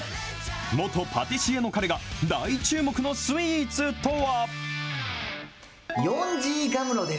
元パティシエの彼が大注目のスイーツとは。